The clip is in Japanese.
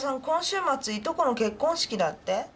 今週末いとこの結婚式だって？